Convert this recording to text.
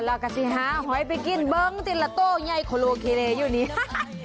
แล้วก็สิหาหอยไปกินเบิ้งจิลาโต้ใยโคโลเคเลอยู่นี้ค่ะ